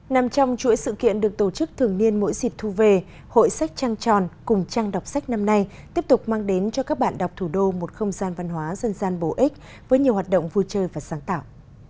nằm trong chuỗi sự kiện được tổ chức thường niên mỗi dịp thu về hội sách trăng tròn cùng trăng đọc sách năm nay tiếp tục mang đến cho các bạn đọc thủ đô một không gian văn hóa dân gian bổ ích với nhiều hoạt động vui chơi và sáng tạo